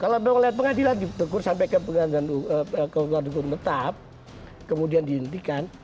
kalau melihat pengadilan di dekur sampai ke pengadilan dekur metap kemudian diintikan